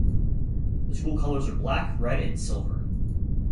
The school colors are black, red, and silver.